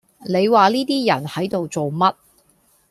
你話呢啲人喺度做乜